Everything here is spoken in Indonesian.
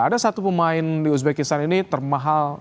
ada satu pemain di uzbekistan ini termahal